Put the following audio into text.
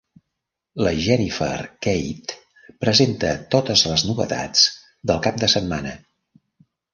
La Jennifer Keyte presenta totes les novetats del cap de setmana.